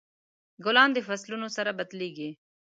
ګلان د فصلونو سره بدلیږي.